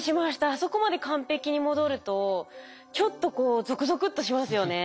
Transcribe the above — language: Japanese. あそこまで完璧に戻るとちょっとこうゾクゾクッとしますよね。